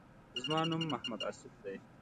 زما نوم محمد آصف دی.